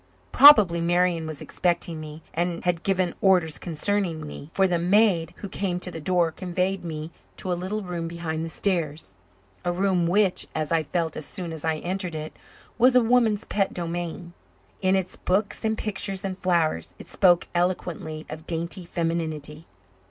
Probably Marian was expecting me and had given orders concerning me, for the maid who came to the door conveyed me to a little room behind the stairs a room which, as I felt as soon as I entered it, was a woman's pet domain. In its books and pictures and flowers it spoke eloquently of dainty femininity.